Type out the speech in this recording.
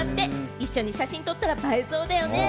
一緒に写真撮ったら映えそうだよね。